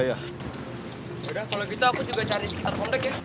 yaudah kalau gitu aku juga cari sekitar komplek ya